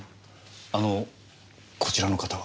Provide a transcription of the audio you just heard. あのこちらの方は？